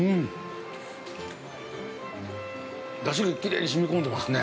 出汁がきれいにしみ込んでますね。